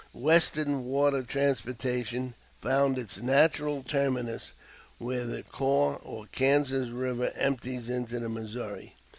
Western water transportation found its natural terminus where the Kaw or Kansas River empties into the Missouri.